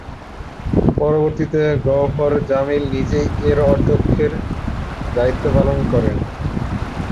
পরবর্তীতে গওহর জামিল নিজেই এর অধ্যক্ষের দায়িত্ব পালন করেন।